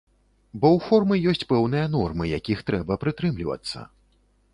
Бо ў формы ёсць пэўныя нормы, якіх трэба прытрымлівацца.